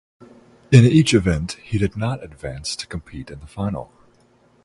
In each event he did not advance to compete in the final.